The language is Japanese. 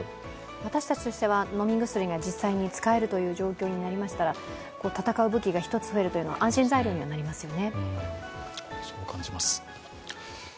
私たちとしては飲み薬が実際に使えるという状況になりましたら戦う武器が増えるというのは安心材料になりますよね。